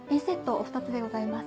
お２つでございます。